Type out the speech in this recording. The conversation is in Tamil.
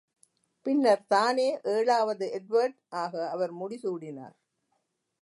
பின்னர் தானே ஏழாவது எட்வர்ட் ஆக அவர் முடிசூடினார்.